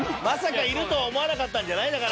まさかいるとは思わなかったんじゃない？